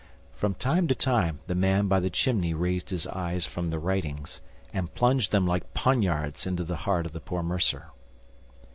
From time to time the man by the chimney raised his eyes from the writings, and plunged them like poniards into the heart of the poor mercer.